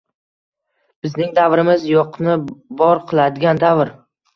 Bizning davrimiz — yo‘qni bor qiladigan davr